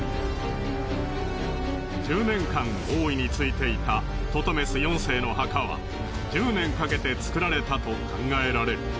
１０年間王位に就いていたトトメス４世の墓は１０年かけて造られたと考えられる。